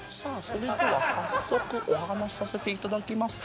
それでは早速お話しさせていただきます。